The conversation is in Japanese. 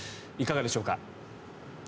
いかがでしょうか？